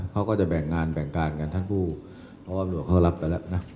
เขาก็จะแบ่งงานแบ่งการกันท่านผู้อ้อมรัวเขารับไปแล้วนะ